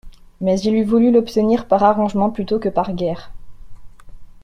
Mais il eût voulu l'obtenir par arrangement plutôt que par guerre.